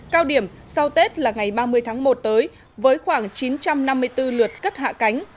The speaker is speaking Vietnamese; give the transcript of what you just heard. cao điểm sau tết là ngày ba mươi tháng một tới với khoảng chín trăm năm mươi bốn lượt cất hạ cánh